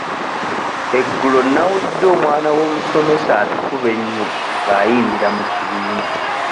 Eggulo nawulidde omwana w'omusomesa atukuba ennyo ng'ayimbira mu kibiina.